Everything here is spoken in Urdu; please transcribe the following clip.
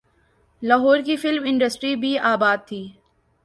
لاہور کی فلم انڈسٹری بھی آباد تھی۔